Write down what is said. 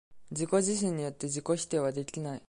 自己自身によって自己否定はできない。